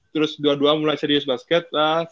terus dua dua mulai serius basket lah